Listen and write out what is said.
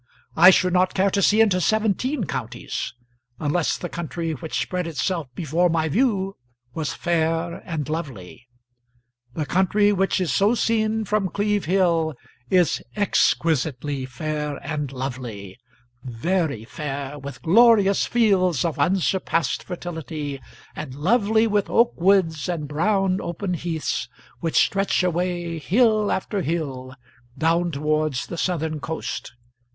I should not care to see into seventeen counties, unless the country which spread itself before my view was fair and lovely. The country which is so seen from Cleeve Hill is exquisitely fair and lovely; very fair, with glorious fields of unsurpassed fertility, and lovely with oak woods and brown open heaths which stretch away, hill after hill, down towards the southern coast.